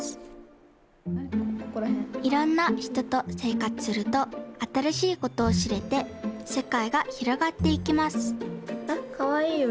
いろんなひととせいかつするとあたらしいことをしれてせかいがひろがっていきますかわいいよ